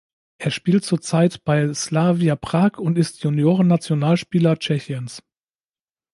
Er spielt zur Zeit bei Slavia Prag und ist Juniorennationalspieler Tschechiens.